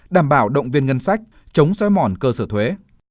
đảm bảo động viên ngân sách chống xói mòn cơ sở thuế